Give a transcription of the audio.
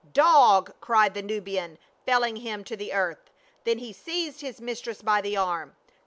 " Dog !" cried the Nubian, felling him to the earth. Then he seized his mistress by the arm.